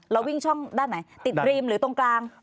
เราวิ่งช่องด้านไหนติดรีมหรือตรงกลาง